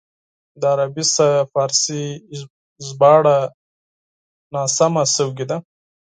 د عربي څخه فارسي ترجمه غلطه شوې ده.